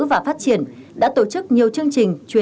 và phát triển đã tổ chức nhiều chương trình